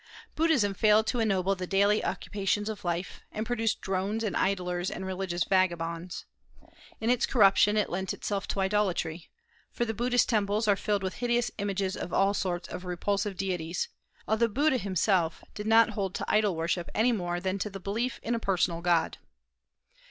Buddhism failed to ennoble the daily occupations of life, and produced drones and idlers and religious vagabonds. In its corruption it lent itself to idolatry, for the Buddhist temples are filled with hideous images of all sorts of repulsive deities, although Buddha himself did not hold to idol worship any more than to the belief in a personal God.